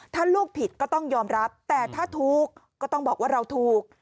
ถ้าลูกผิดก็ต้องยอมรับแต่ถ้าถูกก็ต้องบอกว่าเราถูก